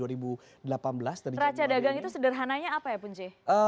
raca dagang itu sederhananya apa ya punci